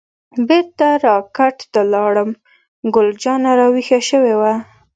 بیرته را کټ ته لاړم، ګل جانه راویښه شوې وه.